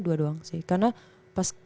dua doang sih karena pas